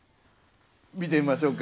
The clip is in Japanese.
見てみましょうか。